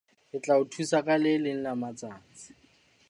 Ke tla o thusa ka le leng la matsatsi.